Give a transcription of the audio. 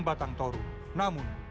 batang toru namun